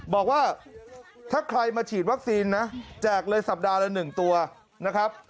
บอกว่าถ้าใครมาฉีดวัคซีนนะแจกเลยสัปดาห์ละ๑ตัวนะครับ